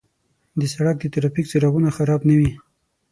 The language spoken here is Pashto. د سړک د ترافیک څراغونه خراب نه وي.